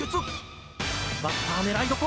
バッター狙い所！